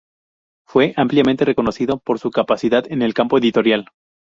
Fue ampliamente reconocido por su capacidad en el campo editorial.